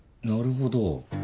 なるほど。